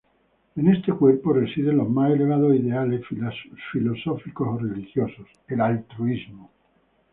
En este Cuerpo residen los más elevados ideales filosóficos o religiosos, el altruismo.